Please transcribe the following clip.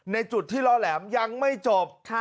ในจุดที่ล่อแหลมยังไม่จบ